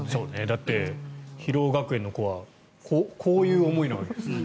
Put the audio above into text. だって、広尾学園の子はこういう思いなわけです。